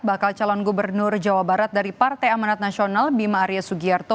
bakal calon gubernur jawa barat dari partai amanat nasional bima arya sugiarto